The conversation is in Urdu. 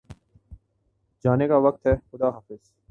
جانے کا وقت ہےخدا حافظ